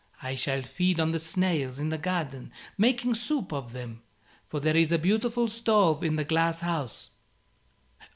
I shall feed on the snails in the garden, making soup of them, for there is a beautiful stove in the glass house.